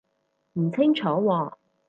唔清楚喎